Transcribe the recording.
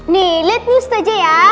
nih liat news aja ya